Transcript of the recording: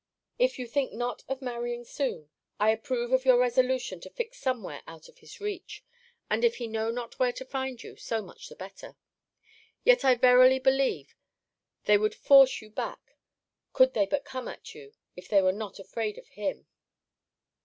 If you think not of marrying soon, I approve of your resolution to fix somewhere out of his reach. And if he know not where to find you, so much the better. Yet I verily believe, they would force you back, could they but come at you, if they were not afraid of him.